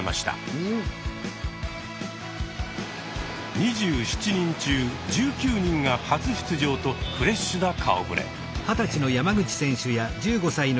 ２７人中１９人が初出場とフレッシュな顔ぶれ。